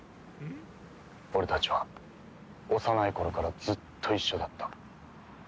俺たちは幼い頃からずっと一緒だった。